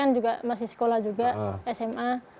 kan juga masih sekolah juga sma